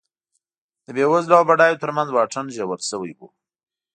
د بېوزلو او بډایو ترمنځ واټن ژور شوی و